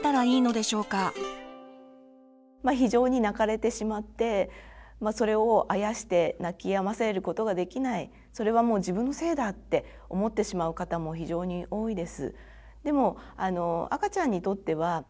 非常に泣かれてしまってそれをあやして泣きやませることができないそれはもう自分のせいだって思ってしまう方も非常に多いです。